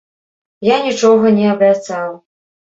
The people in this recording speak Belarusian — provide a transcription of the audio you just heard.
Я нічога не абяцаў.